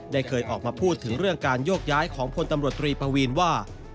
เคยออกมาพูดถึงเรื่องการโยกย้ายของพลตำรวจตรีปวีนว่า